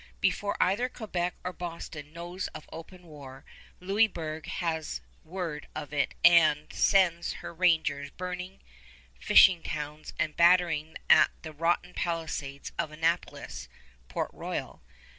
Before either Quebec or Boston knows of open war, Louisburg has word of it and sends her rangers burning fishing towns and battering at the rotten palisades of Annapolis (Port Royal).